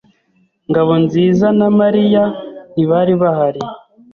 Ngabonzizana Mariya ntibari bahari.